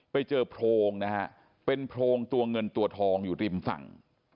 ไปเจอโพรงนะฮะเป็นโพรงตัวเงินตัวทองอยู่ริมฝั่ง